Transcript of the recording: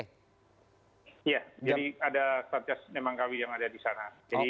iya jadi ada satgas nemangkawi yang ada di sana